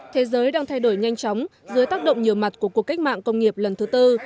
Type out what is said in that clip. thế giới đang thay đổi nhanh chóng dưới tác động nhiều mặt của cuộc cách mạng công nghiệp lần thứ tư